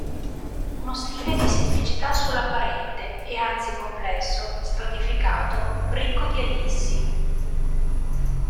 Uno stile di semplicità solo apparente, e anzi complesso, stratificato, ricco di ellissi.